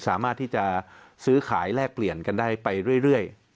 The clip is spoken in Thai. สามารถที่จะซื้อขายแลกเปลี่ยนกันได้ไปเรื่อย